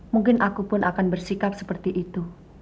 mungkin aku pun akan bersikap seperti itu